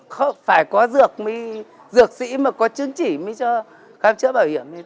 thì lại bảo là phải có dược sĩ mà có chứng chỉ mới cho khám chữa bảo hiểm